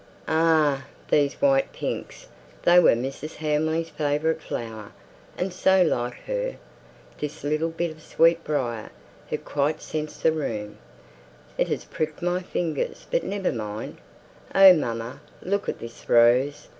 "Ah! these white pinks! They were Mrs. Hamley's favourite flower; and so like her! This little bit of sweet briar, it quite scents the room. It has pricked my fingers, but never mind. Oh, mamma, look at this rose!